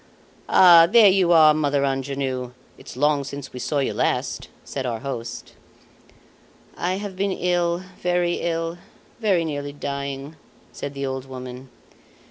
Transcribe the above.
"Ah! there you are, Mother Angenoux! It's long since we saw you last," said our host. "I have been very ill, very nearly dying," said the old woman.